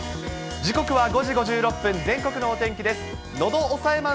時刻は５時５６分、全国のお天気です。